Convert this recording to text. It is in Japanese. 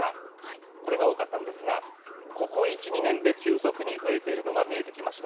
これが多かったんですが、ここ１、２年で急速に増えているのが、見えてきました。